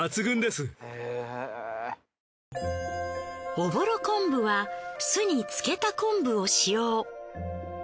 おぼろ昆布は酢につけた昆布を使用。